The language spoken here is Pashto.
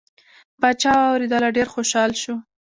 پاچا واورېدله ډیر خوشحال شو.